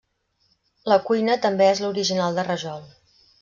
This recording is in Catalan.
La cuina també és l’original de rajol.